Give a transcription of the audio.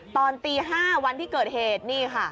ตอนตี๕วันที่เกิดเหตุ